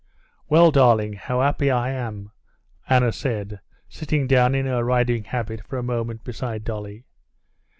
"Well, darling, how happy I am!" Anna said, sitting down in her riding habit for a moment beside Dolly.